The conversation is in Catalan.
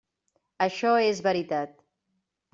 Això és veritat.